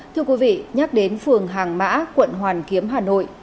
thưa quý vị nhắc đến phường hàng mã quận hoàn kiếm hà nội